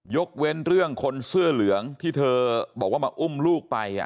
ยกเว้นเรื่องคนเสื้อเหลืองที่เธอบอกว่ามาอุ้มลูกไป